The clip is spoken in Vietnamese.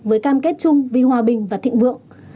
với cam kết chung vì hòa bình và thịnh vượng